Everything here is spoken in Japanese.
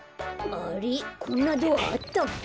あれっこんなドアあったっけ？